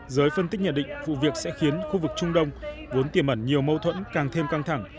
giới phân tích nhận định vụ việc sẽ khiến khu vực trung đông vốn tiềm ẩn nhiều mâu thuẫn càng thêm căng thẳng